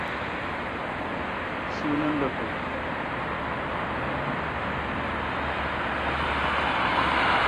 Hiwung na lutu.